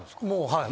はい。